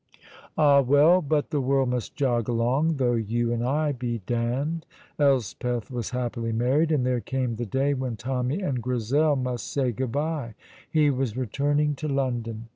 Ah, well, but the world must jog along though you and I be damned. Elspeth was happily married, and there came the day when Tommy and Grizel must say good bye. He was returning to London.